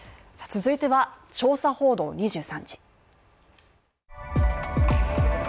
続いては、「調査報道２３時」。